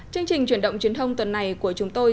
chương trình chuyển động truyền thông tuần này của chúng tôi